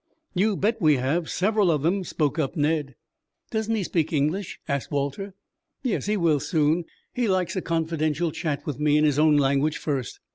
"You bet we have. Several of them," spoke up Ned. "Doesn't he speak English?" asked Walter. "Yes, he will soon. He likes a confidential chat with me in his own language first.